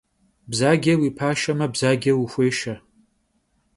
Bzace vui paşşeme, bzace vuxuêşşe.